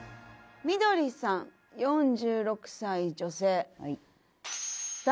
みどりさん４６歳女性。